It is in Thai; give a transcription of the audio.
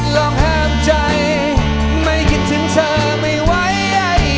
ลองห้ามใจไม่คิดถึงเธอไม่ไหว